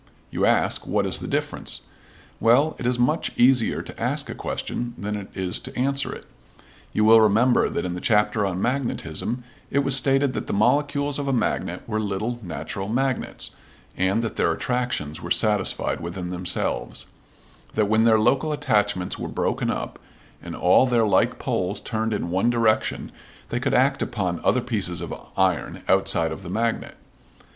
You ask what is the difference? Well, it is much easier to ask a question than it is to answer it. You will remember that in the chapter on magnetism it was stated that the molecules of a magnet were little natural magnets, and that their attractions were satisfied within themselves; that when their local attachments were broken up and all their like poles turned in one direction they could act upon other pieces of iron outside of the magnet.